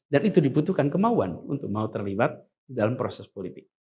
itu dibutuhkan kemauan untuk mau terlibat dalam proses politik